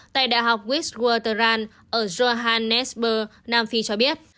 tại đại học westwaterland ở johannesburg nam phi cho biết